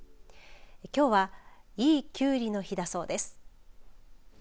きょうは良いきゅうりの日だそうです。